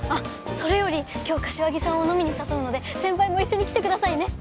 それより今日柏木さんを飲みに誘うので先輩も一緒に来てくださいね。